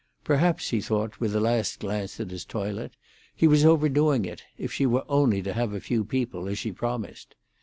Perhaps, he thought, with a last glance at his toilet, he was overdoing it, if she were only to have a few people, as she promised.